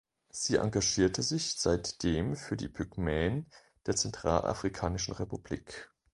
Sie engagierte sich seitdem für die Pygmäen der Zentralafrikanischen Republik.